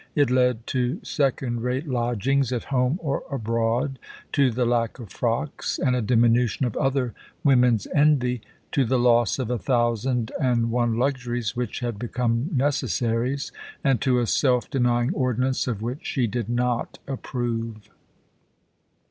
It led to second rate lodgings at home or abroad, to the lack of frocks and a diminution of other women's envy, to the loss of a thousand and one luxuries which had become necessaries, and to a self denying ordinance of which she did not approve.